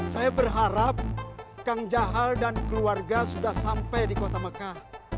saya berharap kang jahaal dan keluarga sudah sampai di kota mekah